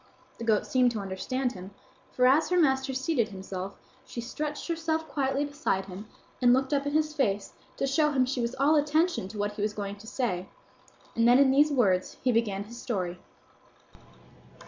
The goat seemed to understand him, for as her master seated himself, she stretched herself quietly beside him and looked up in his face to show him she was all attention to what he was going to say, and then in these words he began his story.